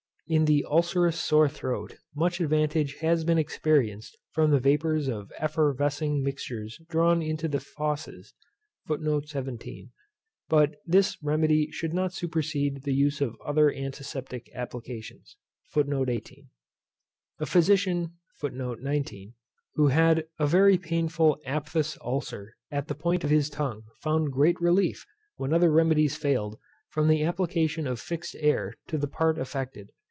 In the ULCEROUS SORE THROAT much advantage has been experienced from the vapours of effervescing mixtures drawn into the fauces. But this remedy should not supersede the use of other antiseptic applications. A physician who had a very painful APTHOUS ULCER at the point of his tongue, found great relief, when other remedies failed, from the application of fixed air to the part affected.